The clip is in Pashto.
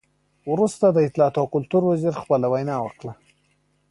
وروسته د اطلاعاتو او کلتور وزیر خپله وینا وکړه.